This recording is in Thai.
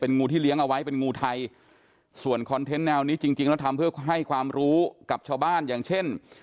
เป็นงูที่เลี้ยงเอาไว้เป็นงูไทยส่วนคอนเทนต์แนวนี้จริงแล้วทำเพื่อให้ความรู้กับชาวบ้าน